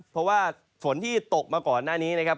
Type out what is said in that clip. เพราะว่าฝนที่ตกมาก่อนหน้านี้นะครับ